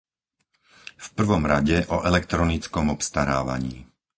V prvom rade o elektronickom obstarávaní.